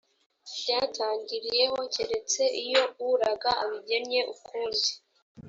ryatangiriyeho keretse iyo uraga abigennye ukundi